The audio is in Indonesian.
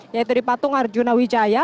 yaitu di patung arjuna wijaya